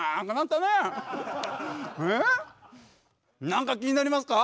何か気になりますか？